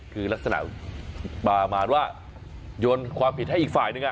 คือลักษณะประมาณว่าโยนความผิดให้อีกฝ่ายนึง